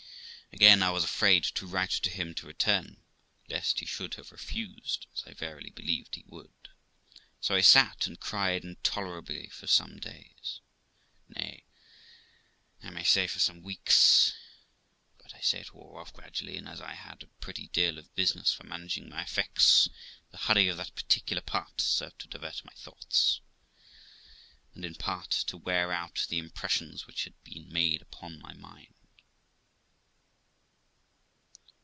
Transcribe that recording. Again, I was afraid to write to him to return, lest he should have refused, as I verily believed he would; so I sat and cried intolerably for some days nay, I may say for some weeks; but, I say, it wore off gradually, and, as I had a pretty deal of business for managing my effects, the hurry of that particular part served to divert my thoughts, and in part to wear out the impressions which had been made upon my mind.